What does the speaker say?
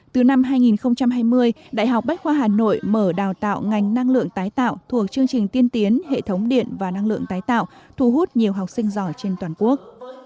từ năm hai nghìn hai mươi đại học bách khoa hà nội mở đào tạo ngành năng lượng tái tạo thuộc chương trình tiên tiến hệ thống điện và năng lượng tái tạo thu hút nhiều học sinh giỏi trên toàn quốc